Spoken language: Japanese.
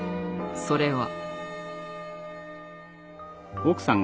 それは。